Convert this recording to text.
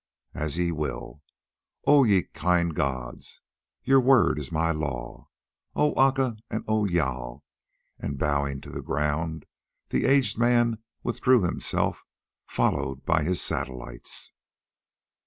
As ye will, O ye kind gods. Your word is my law, O Aca, and O Jâl;" and bowing to the ground the aged man withdrew himself, followed by his satellites.